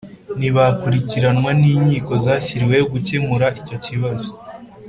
ntibakurikiranwe n'inkiko zashyiriweho gukemura icyo kibazo